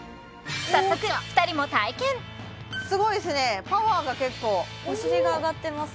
早速２人も体験すごいですねパワーが結構お尻が上がってます